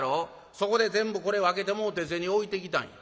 そこで全部これ分けてもうて銭置いてきたんや。